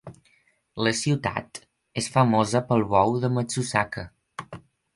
La ciutat és famosa pel bou de Matsusaka.